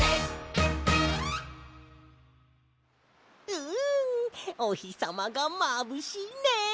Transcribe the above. うんおひさまがまぶしいね！